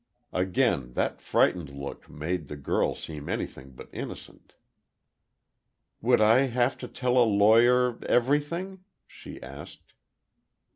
Again that frightened look made the girl seem anything but innocent. "Would I have to tell a lawyer—everything?" she asked.